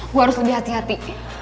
gue harus lebih hati hati